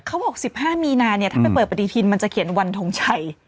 เขาบอก๑๕มีนาเนี้ยถ้าไปเปิดประดิศิลป์มันจะเขียนวันทงใช